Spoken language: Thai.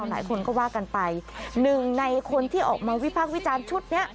หลายคนก็ว่ากันไปหนึ่งในคนที่ออกมาวิพากษ์วิจารณ์ชุดนี้